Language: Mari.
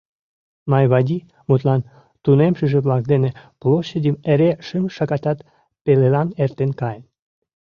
Майвади, мутлан, тунемшыже-влак дене площадьым эре шым шагатат пелылан эртен каен.